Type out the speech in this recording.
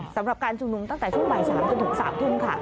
สำหรับการชุมนุมตั้งแต่ช่วงบ่าย๓จนถึง๓ทุ่มค่ะ